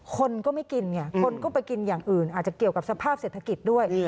คนก็ไม่กินไงคนก็ไปกินอย่างอื่นอาจจะเกี่ยวกับสภาพเศรษฐกิจด้วย